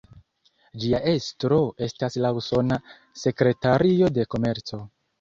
Ĝia estro estas la Usona Sekretario de Komerco.